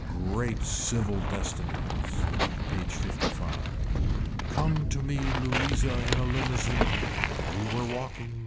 Great civil destinies. PAGE LV. Come to me Louisa in a limousine. We were walking.